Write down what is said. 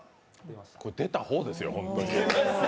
出た方ですよ、本当に。